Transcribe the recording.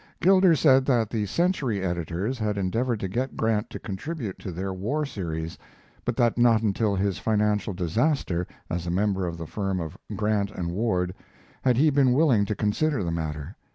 Gilder said that the Century Editors had endeavored to get Grant to contribute to their war series, but that not until his financial disaster, as a member of the firm of Grant & Ward, had he been willing to consider the matter.